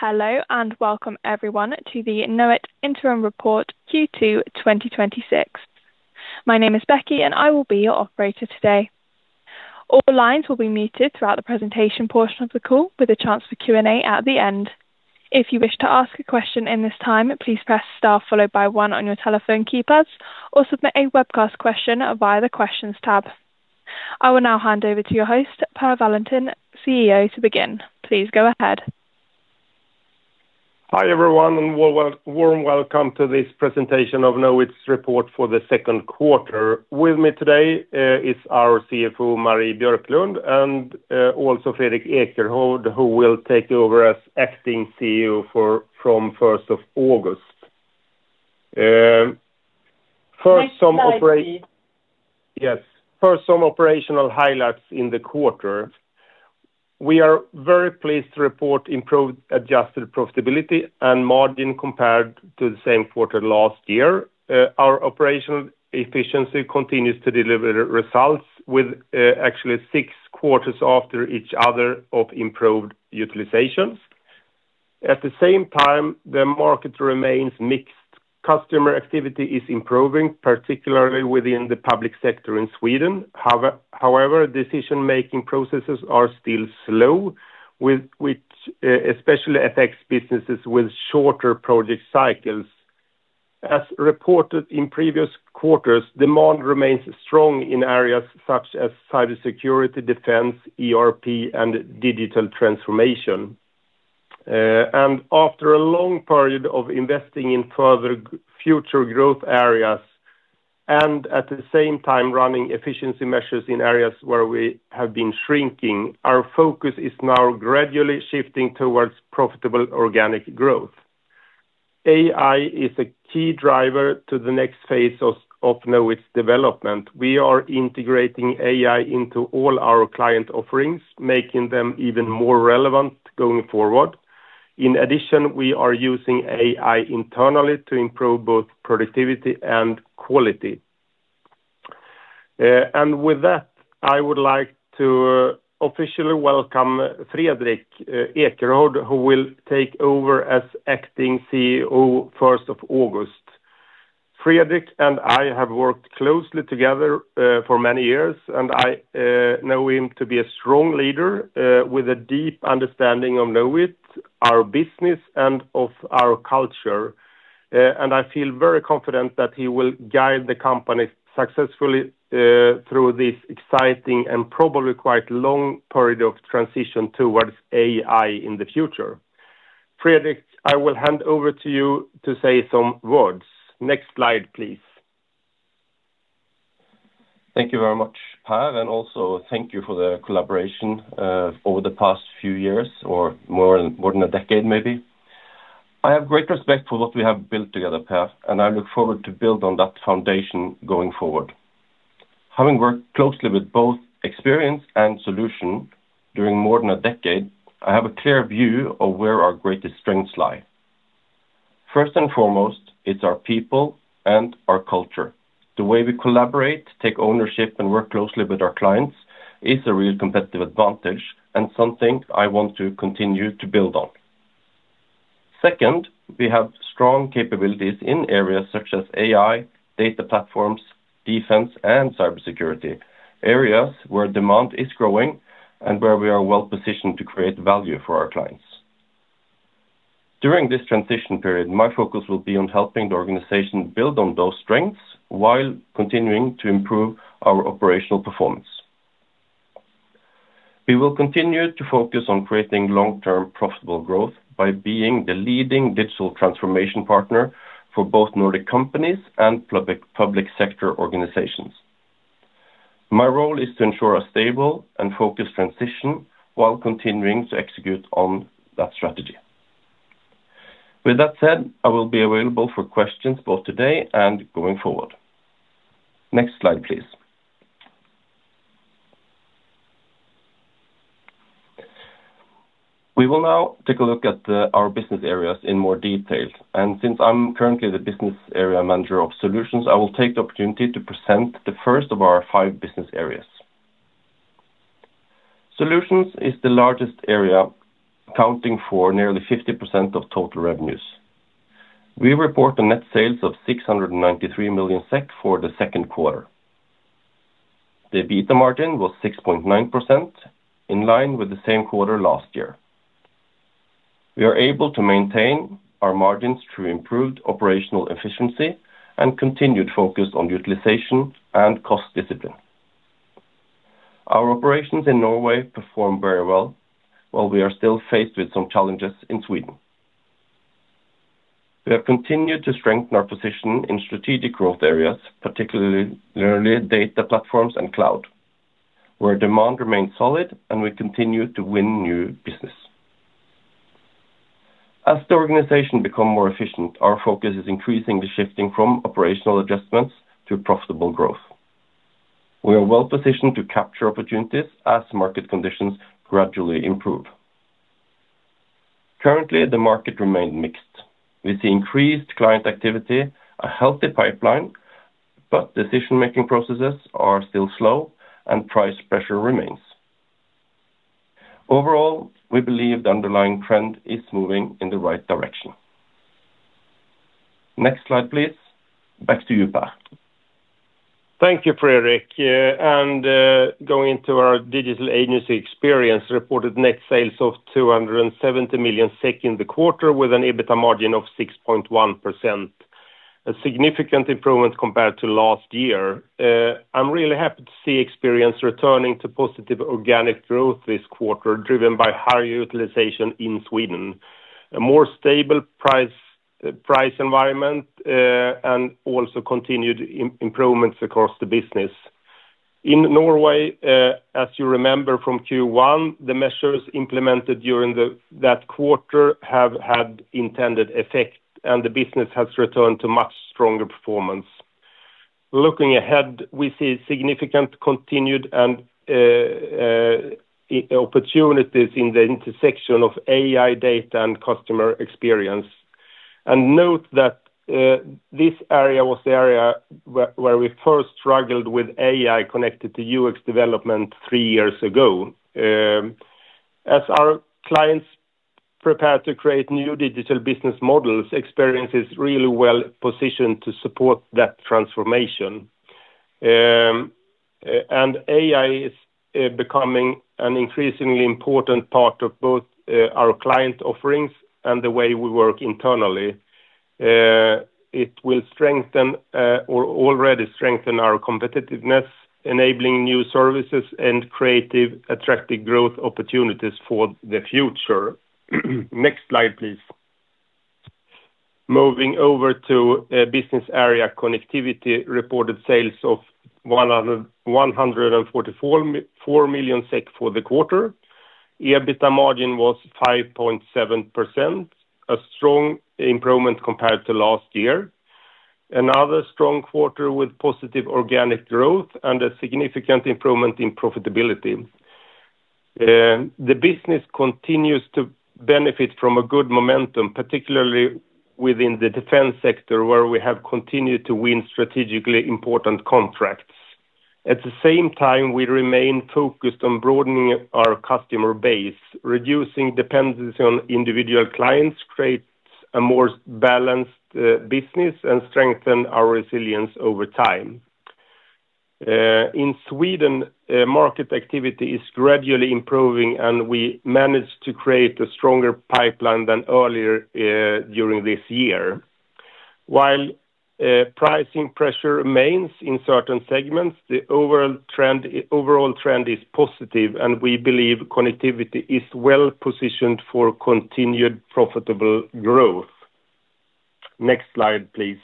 Hello, welcome everyone to the Knowit Interim Report Q2 2026. My name is Becky and I will be your operator today. All lines will be muted throughout the presentation portion of the call with a chance for Q&A at the end. If you wish to ask a question in this time, please press star followed by one on your telephone keypads, or submit a webcast question via the questions tab. I will now hand over to your host, Per Wallentin, CEO, to begin. Please go ahead. Hi everyone, warm welcome to this presentation of Knowit's report for the second quarter. With me today is our CFO, Marie Björklund, and also Fredrik Ekerhovd, who will take over as acting CEO from 1st of August. Next slide, please. Yes. For some operational highlights in the quarter, we are very pleased to report improved adjusted profitability and margin compared to the same quarter last year. Our operational efficiency continues to deliver results with actually six quarters after each other of improved utilizations. At the same time, the market remains mixed. Customer activity is improving, particularly within the public sector in Sweden. However, decision-making processes are still slow, which especially affects businesses with shorter project cycles. As reported in previous quarters, demand remains strong in areas such as cybersecurity, defense, ERP, and digital transformation. After a long period of investing in further future growth areas and at the same time running efficiency measures in areas where we have been shrinking, our focus is now gradually shifting towards profitable organic growth. AI is a key driver to the next phase of Knowit's development. We are integrating AI into all our client offerings, making them even more relevant going forward. In addition, we are using AI internally to improve both productivity and quality. With that, I would like to officially welcome Fredrik Ekerhovd, who will take over as Acting CEO 1st of August. Fredrik and I have worked closely together for many years, and I know him to be a strong leader with a deep understanding of Knowit, our business, and of our culture. I feel very confident that he will guide the company successfully through this exciting and probably quite long period of transition towards AI in the future. Fredrik, I will hand over to you to say some words. Next slide, please. Thank you very much, Per, and also thank you for the collaboration over the past few years or more than a decade, maybe. I have great respect for what we have built together, Per, and I look forward to build on that foundation going forward. Having worked closely with both Experience and Solutions during more than a decade, I have a clear view of where our greatest strengths lie. First and foremost, it's our people and our culture. The way we collaborate, take ownership, and work closely with our clients is a real competitive advantage and something I want to continue to build on. Second, we have strong capabilities in areas such as AI, data platforms, defense, and cybersecurity, areas where demand is growing and where we are well-positioned to create value for our clients. During this transition period, my focus will be on helping the organization build on those strengths while continuing to improve our operational performance. We will continue to focus on creating long-term profitable growth by being the leading digital transformation partner for both Nordic companies and public sector organizations. My role is to ensure a stable and focused transition while continuing to execute on that strategy. With that said, I will be available for questions both today and going forward. Next slide, please. We will now take a look at our business areas in more detail, and since I'm currently the business area manager of Solutions, I will take the opportunity to present the first of our five business areas. Solutions is the largest area, accounting for nearly 50% of total revenues. We report a net sales of 693 million SEK for the second quarter. The EBITDA margin was 6.9%, in line with the same quarter last year. We are able to maintain our margins through improved operational efficiency and continued focus on utilization and cost discipline. Our operations in Norway perform very well, while we are still faced with some challenges in Sweden. We have continued to strengthen our position in strategic growth areas, particularly data platforms and cloud, where demand remains solid and we continue to win new business. As the organization become more efficient, our focus is increasingly shifting from operational adjustments to profitable growth. We are well positioned to capture opportunities as market conditions gradually improve. Currently, the market remains mixed. We see increased client activity, a healthy pipeline. Decision-making processes are still slow, and price pressure remains. Overall, we believe the underlying trend is moving in the right direction. Next slide, please. Back to you, Per. Thank you, Fredrik. Going into our digital agency, Experience, reported net sales of 270 million SEK in the quarter with an EBITDA margin of 6.1%. A significant improvement compared to last year. I am really happy to see Experience returning to positive organic growth this quarter, driven by higher utilization in Sweden, a more stable price environment, and also continued improvements across the business. In Norway, as you remember from Q1, the measures implemented during that quarter have had intended effect, and the business has returned to much stronger performance. Looking ahead, we see significant continued and opportunities in the intersection of AI data and customer experience. Note that this area was the area where we first struggled with AI connected to UX development three years ago. As our clients prepare to create new digital business models, Experience is really well-positioned to support that transformation. AI is becoming an increasingly important part of both our client offerings and the way we work internally. It will strengthen or already strengthen our competitiveness, enabling new services and creative, attractive growth opportunities for the future. Next slide, please. Moving over to business area Connectivity reported sales of 144 million SEK for the quarter. EBITDA margin was 5.7%, a strong improvement compared to last year. Another strong quarter with positive organic growth and a significant improvement in profitability. The business continues to benefit from a good momentum, particularly within the defense sector, where we have continued to win strategically important contracts. At the same time, we remain focused on broadening our customer base. Reducing dependency on individual clients creates a more balanced business and strengthen our resilience over time. In Sweden, market activity is gradually improving, and we managed to create a stronger pipeline than earlier during this year. While pricing pressure remains in certain segments, the overall trend is positive, and we believe Connectivity is well-positioned for continued profitable growth. Next slide, please.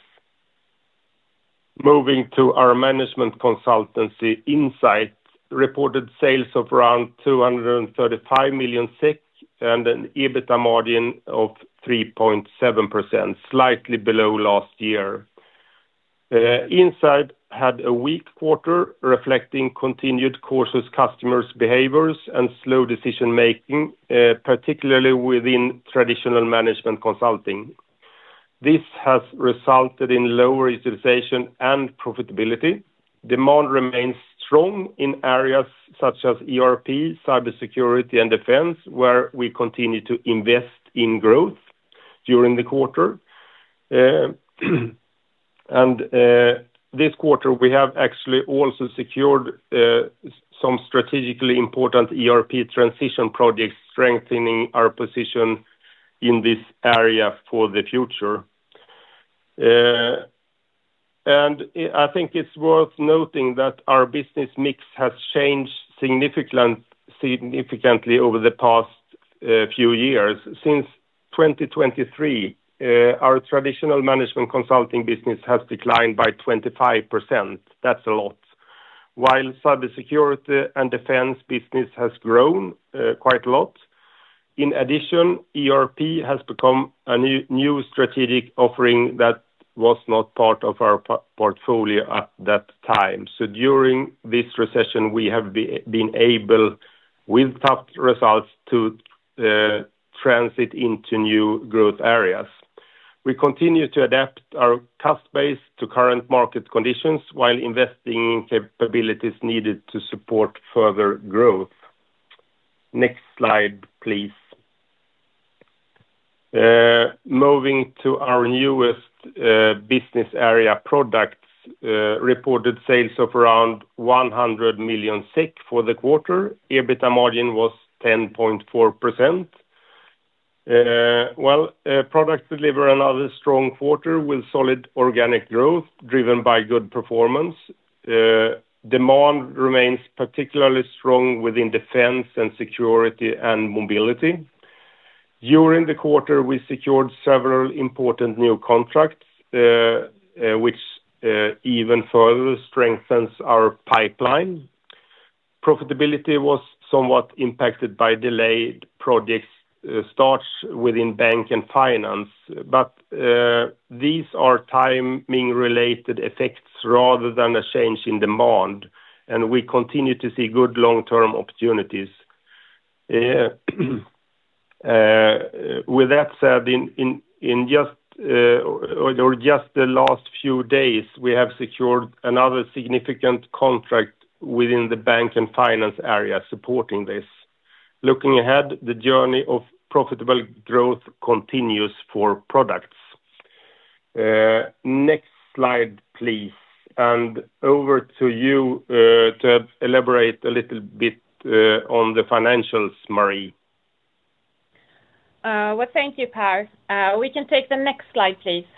Moving to our management consultancy Insight. Reported sales of around 235 million SEK and an EBITDA margin of 3.7%, slightly below last year. Insight had a weak quarter reflecting continued cautious customers' behaviors and slow decision-making, particularly within traditional management consulting. This has resulted in lower utilization and profitability. Demand remains strong in areas such as ERP, cybersecurity, and defense, where we continue to invest in growth during the quarter. This quarter, we have actually also secured some strategically important ERP transition projects, strengthening our position in this area for the future. I think it is worth noting that our business mix has changed significantly over the past few years. Since 2023, our traditional management consulting business has declined by 25%. That is a lot. While cybersecurity and defense business has grown quite a lot. In addition, ERP has become a new strategic offering that was not part of our portfolio at that time. During this recession, we have been able, with tough results, to transit into new growth areas. We continue to adapt our cost base to current market conditions while investing in capabilities needed to support further growth. Next slide, please. Moving to our newest business area Products. Reported sales of around 100 million SEK for the quarter. EBITDA margin was 10.4%. While Products deliver another strong quarter with solid organic growth driven by good performance. Demand remains particularly strong within defense and security and mobility. During the quarter, we secured several important new contracts, which even further strengthens our pipeline. Profitability was somewhat impacted by delayed project start within bank and finance. These are timing-related effects rather than a change in demand, and we continue to see good long-term opportunities. With that said, in just the last few days, we have secured another significant contract within the bank and finance area supporting this. Looking ahead, the journey of profitable growth continues for Products. Next slide, please. Over to you to elaborate a little bit on the financials, Marie. Thank you, Per. We can take the next slide, please.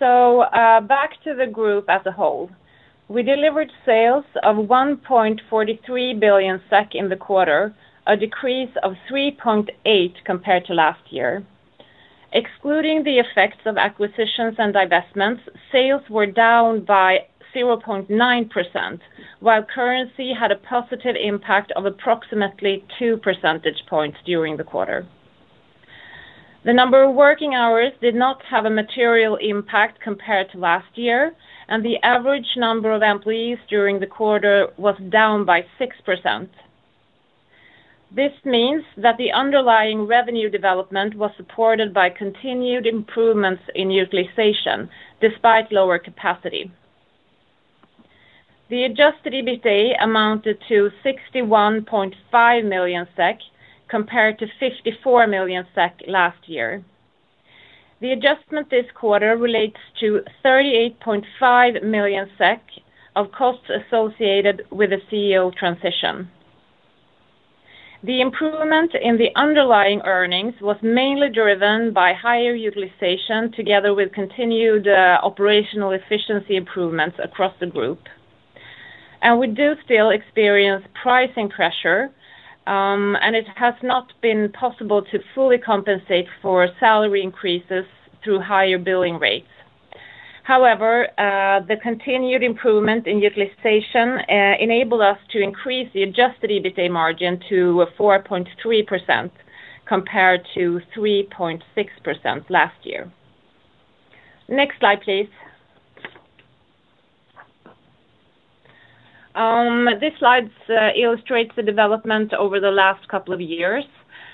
Back to the group as a whole. We delivered sales of 1.43 billion SEK in the quarter, a decrease of 3.8% compared to last year. Excluding the effects of acquisitions and divestments, sales were down by 0.9%, while currency had a positive impact of approximately two percentage points during the quarter. The number of working hours did not have a material impact compared to last year, and the average number of employees during the quarter was down by 6%. This means that the underlying revenue development was supported by continued improvements in utilization despite lower capacity. The adjusted EBITDA amounted to 61.5 million SEK, compared to 54 million SEK last year. The adjustment this quarter relates to 38.5 million SEK of costs associated with the CEO transition. The improvement in the underlying earnings was mainly driven by higher utilization together with continued operational efficiency improvements across the group. We do still experience pricing pressure, and it has not been possible to fully compensate for salary increases through higher billing rates. However, the continued improvement in utilization enabled us to increase the adjusted EBITDA margin to 4.3%, compared to 3.6% last year. Next slide, please. This slide illustrates the development over the last couple of years,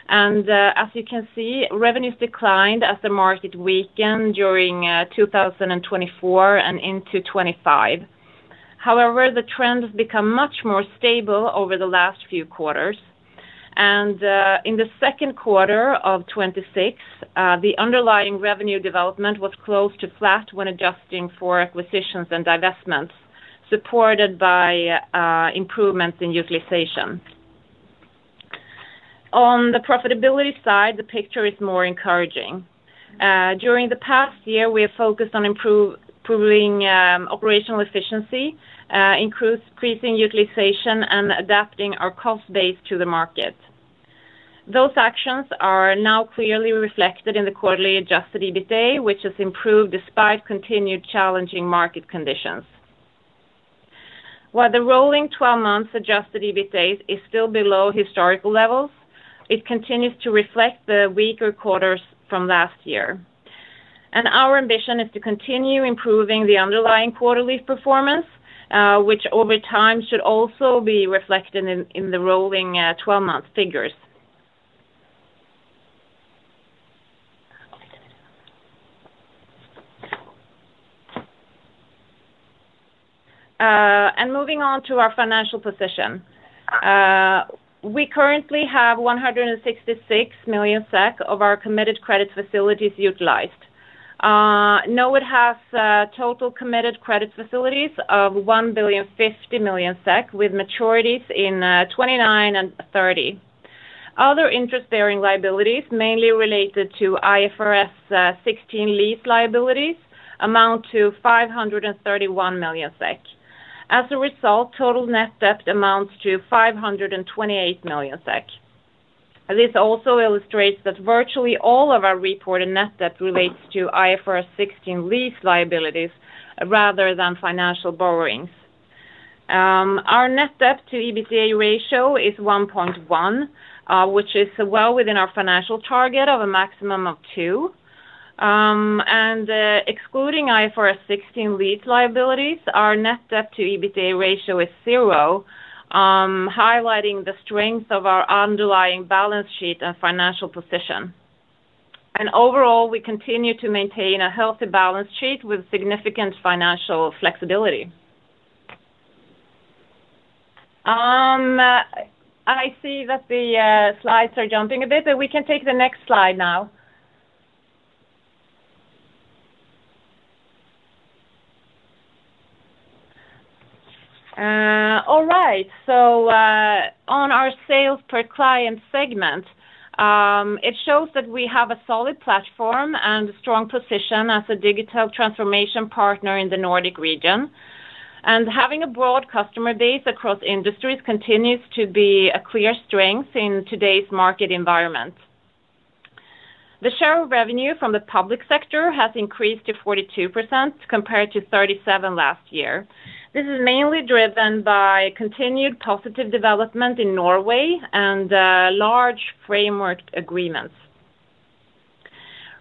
and as you can see, revenues declined as the market weakened during 2024 and into 2025. However, the trend has become much more stable over the last few quarters. In the second quarter of 2026, the underlying revenue development was close to flat when adjusting for acquisitions and divestments, supported by improvements in utilization. On the profitability side, the picture is more encouraging. During the past year, we have focused on improving operational efficiency, increasing utilization, and adapting our cost base to the market. Those actions are now clearly reflected in the quarterly adjusted EBITDA, which has improved despite continued challenging market conditions. While the rolling 12 months adjusted EBITDA is still below historical levels, it continues to reflect the weaker quarters from last year. Our ambition is to continue improving the underlying quarterly performance, which over time should also be reflected in the rolling 12-month figures. Moving on to our financial position. We currently have 166 million SEK of our committed credit facilities utilized. Knowit has total committed credit facilities of 1,050 million SEK, with maturities in 2029 and 2030. Other interest-bearing liabilities, mainly related to IFRS 16 lease liabilities, amount to 531 million SEK. As a result, total net debt amounts to 528 million SEK. This also illustrates that virtually all of our reported net debt relates to IFRS 16 lease liabilities rather than financial borrowings. Our net debt to EBITDA ratio is 1.1, which is well within our financial target of a maximum of two. Excluding IFRS 16 lease liabilities, our net debt to EBITDA ratio is zero, highlighting the strength of our underlying balance sheet and financial position. Overall, we continue to maintain a healthy balance sheet with significant financial flexibility. I see that the slides are jumping a bit, but we can take the next slide now. All right. On our sales per client segment, it shows that we have a solid platform and a strong position as a digital transformation partner in the Nordic region. Having a broad customer base across industries continues to be a clear strength in today's market environment. The share of revenue from the public sector has increased to 42% compared to 37 last year. This is mainly driven by continued positive development in Norway and large framework agreements.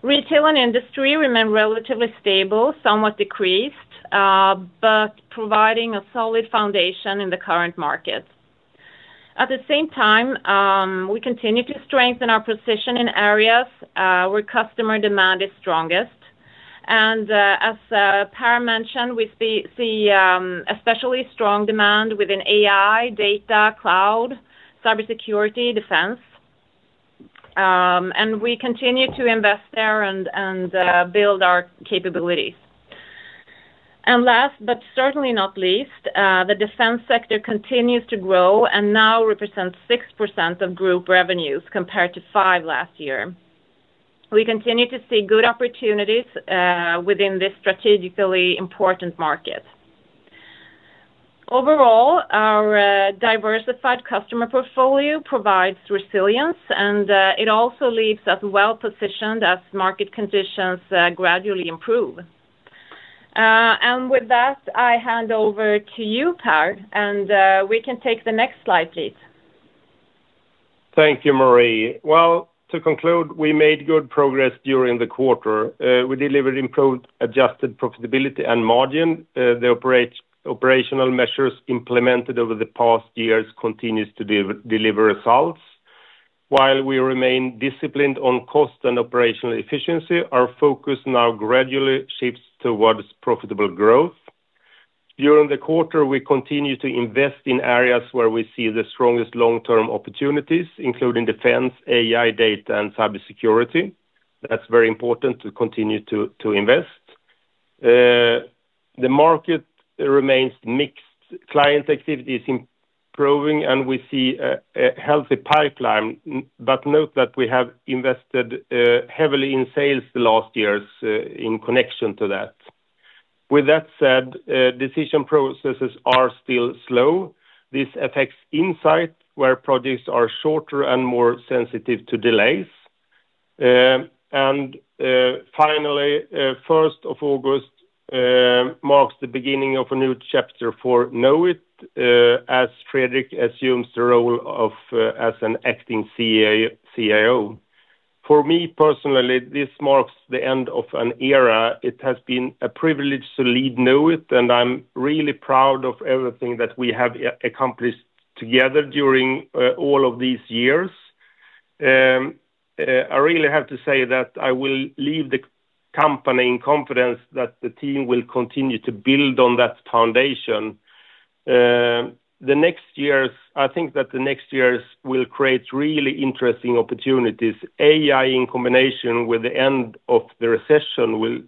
Retail and industry remain relatively stable, somewhat decreased, but providing a solid foundation in the current market. At the same time, we continue to strengthen our position in areas where customer demand is strongest. As Per mentioned, we see especially strong demand within AI, data, cloud, cybersecurity, defense. We continue to invest there and build our capabilities. Last, but certainly not least, the defense sector continues to grow and now represents 6% of group revenues compared to 5% last year. We continue to see good opportunities within this strategically important market. Overall, our diversified customer portfolio provides resilience, and it also leaves us well-positioned as market conditions gradually improve. With that, I hand over to you, Per, and we can take the next slide, please. Thank you, Marie. Well, to conclude, we made good progress during the quarter. We delivered improved adjusted profitability and margin. The operational measures implemented over the past years continue to deliver results. While we remain disciplined on cost and operational efficiency, our focus now gradually shifts towards profitable growth. During the quarter, we continue to invest in areas where we see the strongest long-term opportunities, including defense, AI, data, and cybersecurity. That's very important to continue to invest. The market remains mixed. Client activity is improving, and we see a healthy pipeline, but note that we have invested heavily in sales the last years in connection to that. With that said, decision processes are still slow. This affects Insight, where projects are shorter and more sensitive to delays. Finally, 1st of August marks the beginning of a new chapter for Knowit as Fredrik assumes the role as an acting CEO. For me, personally, this marks the end of an era. It has been a privilege to lead Knowit, and I'm really proud of everything that we have accomplished together during all of these years. I really have to say that I will leave the company in confidence that the team will continue to build on that foundation. I think that the next years will create really interesting opportunities. AI in combination with the end of the recession will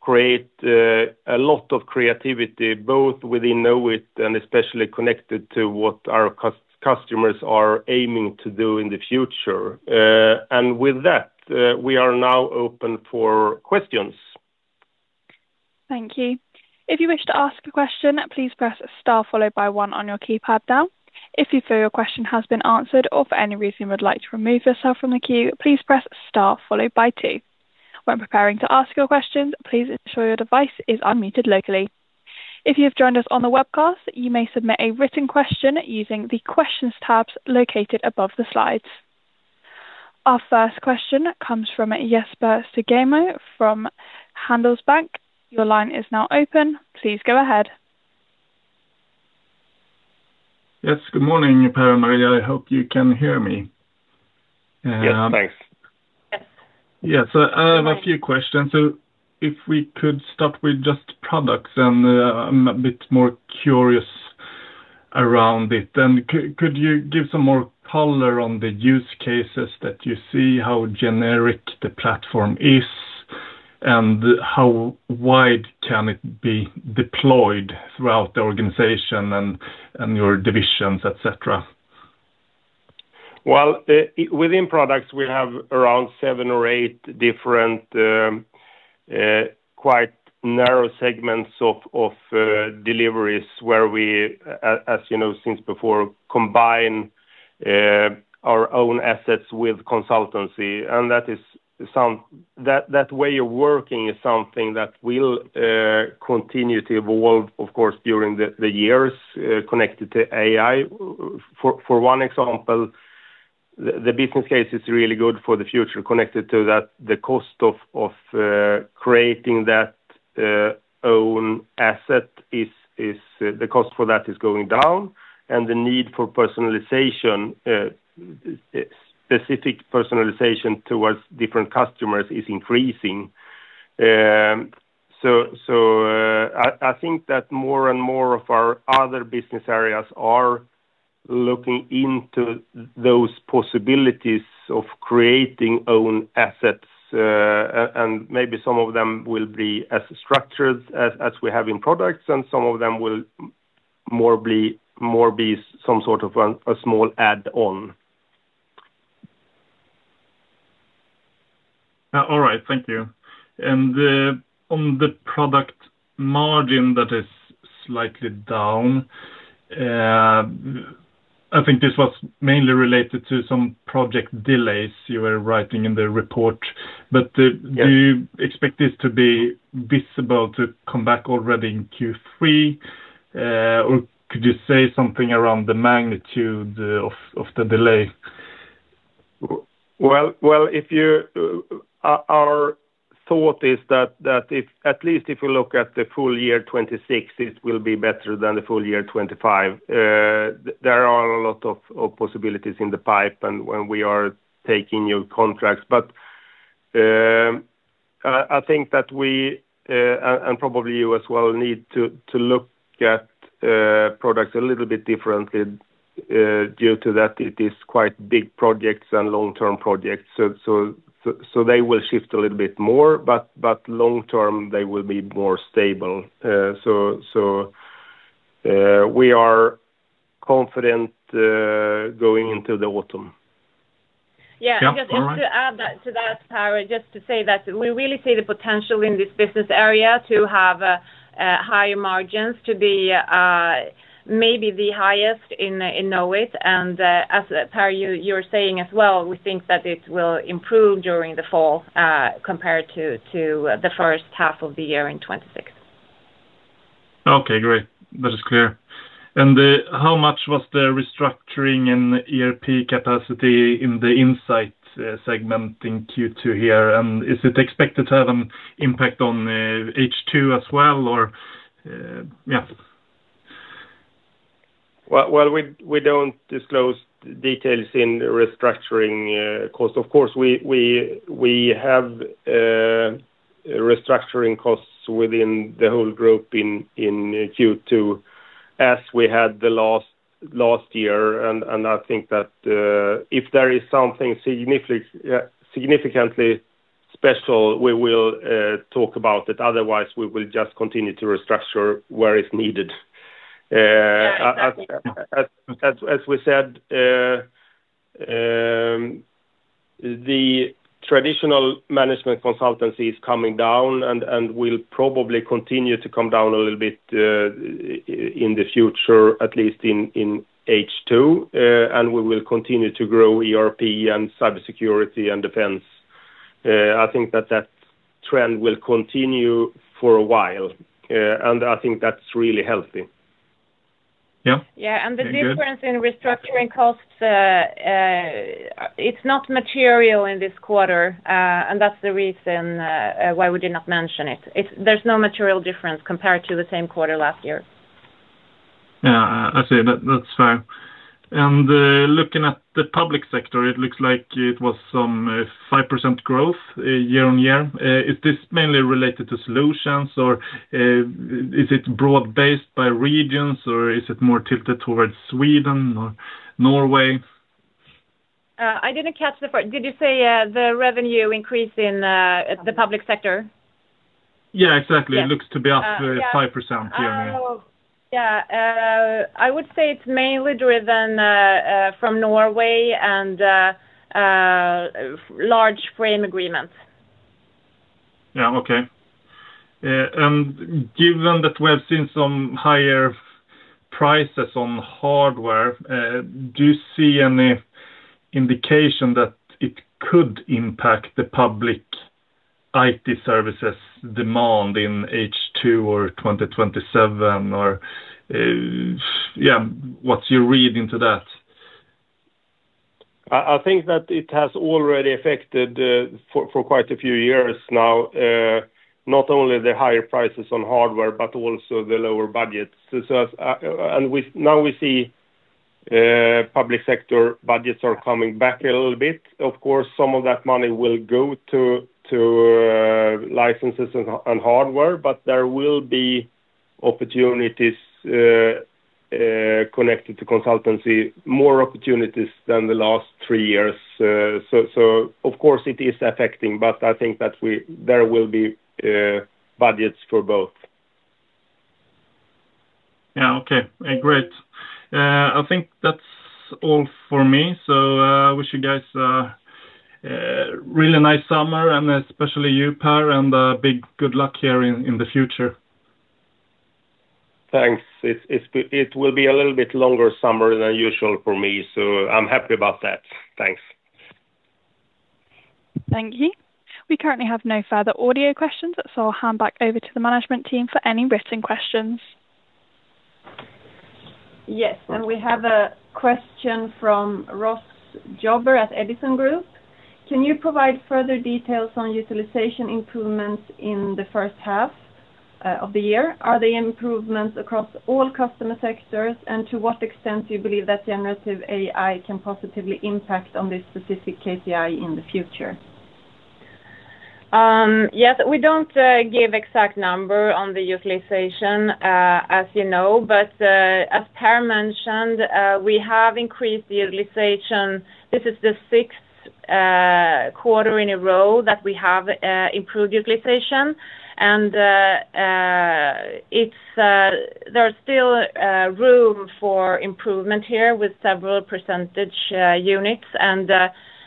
create a lot of creativity, both within Knowit and especially connected to what our customers are aiming to do in the future. With that, we are now open for questions. Thank you. If you wish to ask a question, please press star followed by one on your keypad now. If you feel your question has been answered or for any reason would like to remove yourself from the queue, please press star followed by two. When preparing to ask your questions, please ensure your device is unmuted locally. If you have joined us on the webcast, you may submit a written question using the Questions tabs located above the slides. Our first question comes from Jesper Stugemo from Handelsbanken. Your line is now open. Please go ahead. Yes. Good morning, Per and Marie. I hope you can hear me. Yes. Thanks. Yes. Yes. I have a few questions. If we could start with just Products, and I'm a bit more curious around it then. Could you give some more color on the use cases that you see, how generic the platform is, and how wide can it be deployed throughout the organization and your divisions, et cetera? Well, within Products, we have around seven or eight different quite narrow segments of deliveries where we, as you know since before, combine our own assets with consultancy. That way of working is something that will continue to evolve, of course, during the years, connected to AI. For one example, the business case is really good for the future connected to that. The cost of creating that own asset is going down, and the need for personalization, specific personalization towards different customers is increasing. I think that more and more of our other business areas are looking into those possibilities of creating own assets. Maybe some of them will be as structured as we have in Products, and some of them will more be some sort of a small add-on. All right. Thank you. On the Products margin that is slightly down, I think this was mainly related to some project delays you were writing in the report. Do you expect this to be visible to come back already in Q3? Could you say something around the magnitude of the delay? Well, our thought is that at least if you look at the full year 2026, it will be better than the full year 2025. There are a lot of possibilities in the pipe and when we are taking new contracts. I think that we, and probably you as well, need to look at Products a little bit differently due to that it is quite big projects and long-term projects. They will shift a little bit more, but long-term they will be more stable. We are confident going into the autumn. Yeah. Yeah. All right. Just to add to that, Per, just to say that we really see the potential in this business area to have higher margins to be maybe the highest in Knowit. As Per, you're saying as well, we think that it will improve during the fall, compared to the first half of the year in 2026. Okay, great. That is clear. How much was the restructuring in ERP capacity in the Insight segment in Q2 here? Is it expected to have an impact on H2 as well? Well, we don't disclose details in restructuring cost. Of course, we have restructuring costs within the whole group in Q2 as we had the last year. I think that if there is something significantly special, we will talk about it. Otherwise, we will just continue to restructure where it's needed. Yeah, exactly. As we said, the traditional management consultancy is coming down and will probably continue to come down a little bit in the future, at least in H2. We will continue to grow ERP and cybersecurity and defense. I think that trend will continue for a while, and I think that's really healthy. Yeah. Yeah. The difference in restructuring costs, it's not material in this quarter, and that's the reason why we did not mention it. There's no material difference compared to the same quarter last year. Yeah, I see. That's fair. Looking at the public sector, it looks like it was some 5% growth year-on-year. Is this mainly related to Solutions or is it broad based by regions, or is it more tilted towards Sweden or Norway? I didn't catch the first. Did you say the revenue increase in the public sector? Yeah, exactly. It looks to be up 5% year-on-year. Yeah. I would say it's mainly driven from Norway and large frame agreements. Yeah. Okay. Given that we have seen some higher prices on hardware, do you see any indication that it could impact the public IT services demand in H2 or 2027? Yeah, what's your read into that? I think that it has already affected for quite a few years now. Not only the higher prices on hardware but also the lower budgets. Now we see public sector budgets are coming back a little bit. Of course, some of that money will go to licenses and hardware, but there will be opportunities connected to consultancy, more opportunities than the last three years. Of course it is affecting, but I think that there will be budgets for both. Yeah. Okay, great. I think that's all for me. Wish you guys a really nice summer and especially you, Per, and a big good luck here in the future. Thanks. It will be a little bit longer summer than usual for me, I'm happy about that. Thanks. Thank you. We currently have no further audio questions, I'll hand back over to the management team for any written questions. Yes, we have a question from Ross Jobber at Edison Group. Can you provide further details on utilization improvements in the first half of the year? Are they improvements across all customer sectors? To what extent do you believe that generative AI can positively impact on this specific KPI in the future? Yes, we don't give exact number on the utilization, as you know. As Per mentioned, we have increased the utilization. This is the sixth quarter in a row that we have improved utilization. There's still room for improvement here with several percentage units.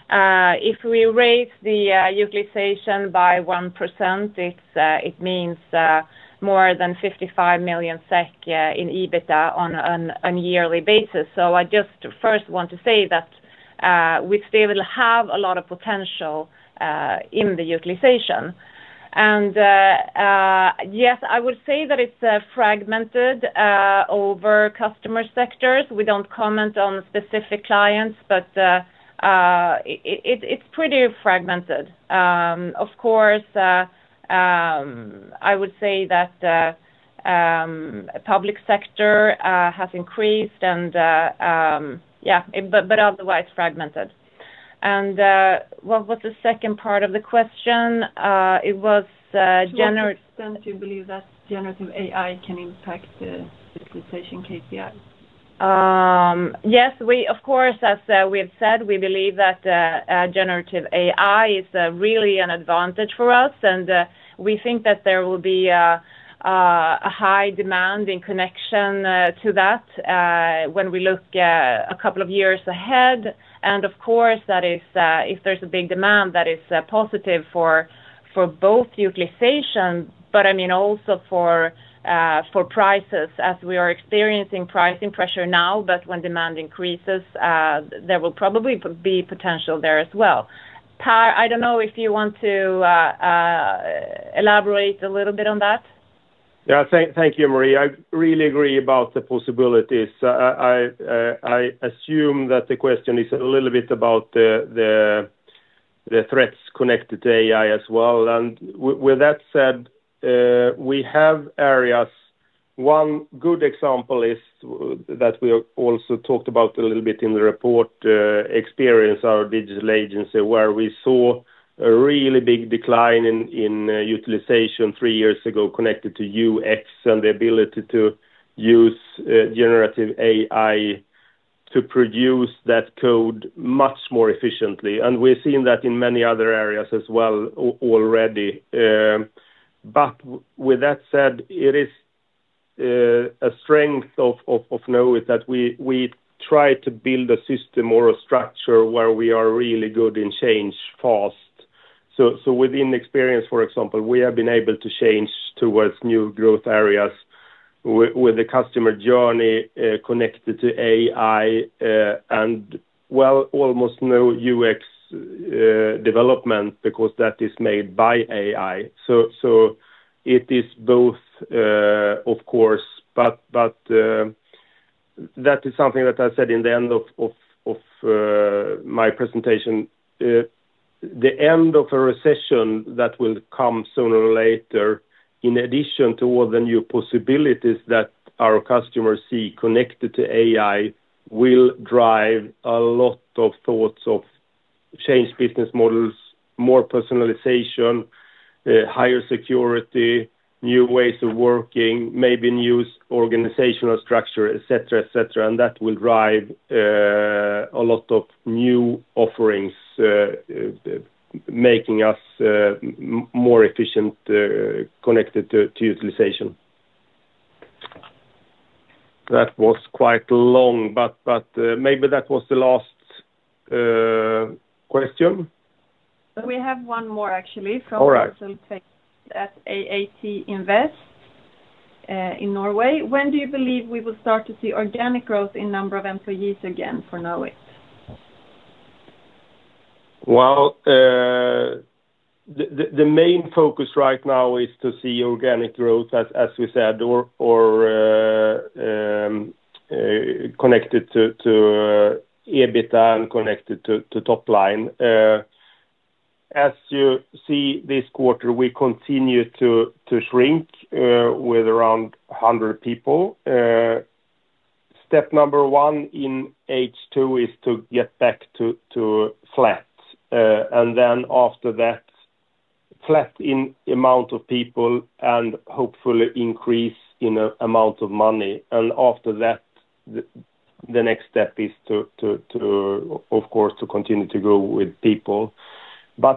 If we raise the utilization by 1%, it means more than 55 million SEK in EBITDA on yearly basis. I just first want to say that we still have a lot of potential in the utilization. Yes, I would say that it's fragmented over customer sectors. We don't comment on specific clients, but it's pretty fragmented. Of course, I would say that public sector has increased and, yeah, but otherwise fragmented. What was the second part of the question? It was To what extent do you believe that generative AI can impact the utilization KPI? Yes, of course, as we have said, we believe that generative AI is really an advantage for us, and we think that there will be a high demand in connection to that when we look a couple of years ahead. Of course, if there's a big demand, that is positive for both utilization, but also for prices as we are experiencing pricing pressure now. When demand increases, there will probably be potential there as well. Per, I don't know if you want to elaborate a little bit on that. Yeah. Thank you, Marie. I really agree about the possibilities. I assume that the question is a little bit about the threats connected to AI as well. With that said, we have areas. One good example is that we also talked about a little bit in the report, Experience, our digital agency, where we saw a really big decline in utilization three years ago connected to UX and the ability to use generative AI to produce that code much more efficiently. We've seen that in many other areas as well already. With that said, it is a strength of Knowit that we try to build a system or a structure where we are really good in change fast. Within Experience, for example, we have been able to change towards new growth areas with the customer journey connected to AI and, well, almost no UX development because that is made by AI. It is both, of course. That is something that I said in the end of my presentation. The end of a recession that will come sooner or later, in addition to all the new possibilities that our customers see connected to AI, will drive a lot of thoughts of change business models, more personalization, higher security, new ways of working, maybe new organizational structure, et cetera. That will drive a lot of new offerings, making us more efficient connected to utilization. That was quite long. Maybe that was the last question. We have one more actually from- All right [Axel] at AAT Invest in Norway. When do you believe we will start to see organic growth in number of employees again for Knowit? Well, the main focus right now is to see organic growth, as we said, or connected to EBITDA and connected to top line. As you see this quarter, we continue to shrink with around 100 people. Step number one in H2 is to get back to flat. Then after that, flat in amount of people and hopefully increase in amount of money. After that, the next step is, of course, to continue to grow with people.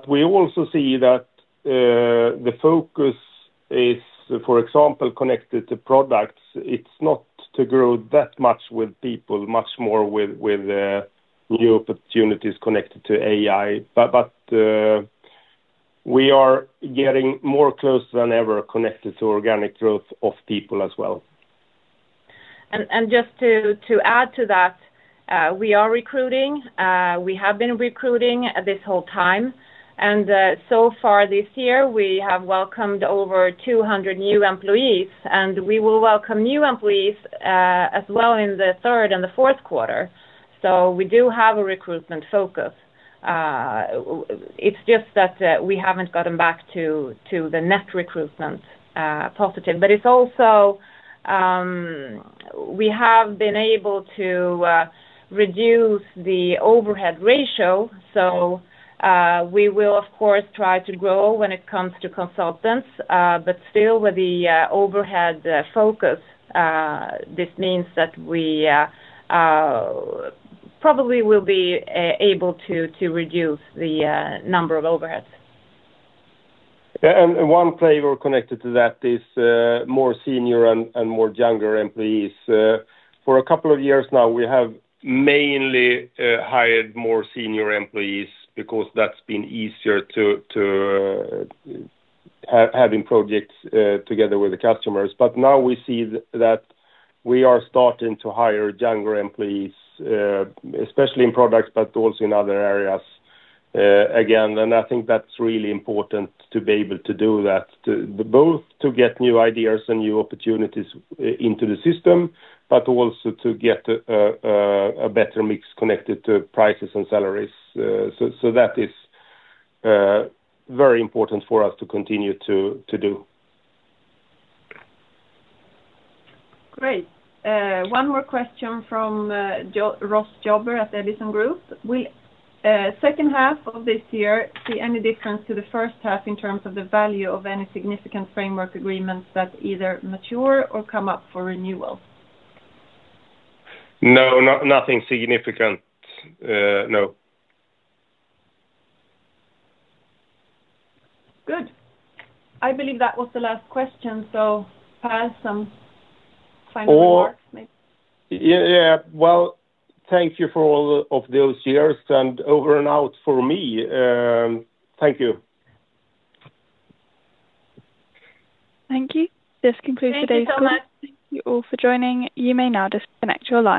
We also see that the focus is, for example, connected to Products. It's not to grow that much with people, much more with new opportunities connected to AI. We are getting more close than ever connected to organic growth of people as well. Just to add to that, we are recruiting. We have been recruiting this whole time, and so far this year, we have welcomed over 200 new employees, and we will welcome new employees as well in the third and the fourth quarter. We do have a recruitment focus. It's just that we haven't gotten back to the net recruitment positive. It's also, we have been able to reduce the overhead ratio. We will, of course, try to grow when it comes to consultants. Still with the overhead focus, this means that we probably will be able to reduce the number of overheads. Yeah. One flavor connected to that is more senior and more younger employees. For a couple of years now, we have mainly hired more senior employees because that's been easier to having projects together with the customers. Now we see that we are starting to hire younger employees, especially in Products, but also in other areas again. I think that's really important to be able to do that, both to get new ideas and new opportunities into the system, but also to get a better mix connected to prices and salaries. That is very important for us to continue to do. Great. One more question from Ross Jobber at Edison Group. Will second half of this year see any difference to the first half in terms of the value of any significant framework agreements that either mature or come up for renewal? No, nothing significant. No. Good. I believe that was the last question. Per, some final remarks maybe. Yeah. Well, thank you for all of those years, and over and out for me. Thank you. Thank you. This concludes today's call. Thank you so much. Thank you all for joining. You may now disconnect your line.